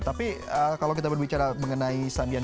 tapi kalau kita berbicara mengenai